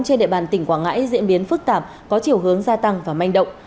trên địa bàn tỉnh quảng ngãi diễn biến phức tạp có chiều hướng gia tăng và manh động